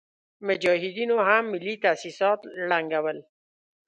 مجاهدينو هم ملي تاسيسات ړنګول.